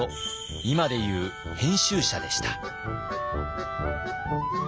今でいう編集者でした。